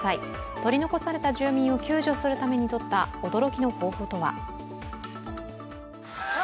取り残された住民を救助するためにとった驚きの方法とは？